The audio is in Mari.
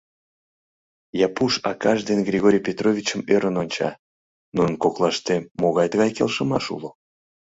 Япуш акаж ден Григорий Петровичым ӧрын онча: «Нунын коклаште могай тыгай келшымаш уло?